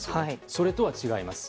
それとは違います。